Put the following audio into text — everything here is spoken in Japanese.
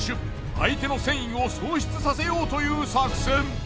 相手の戦意を喪失させようという作戦。